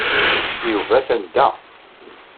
Yuba atan da.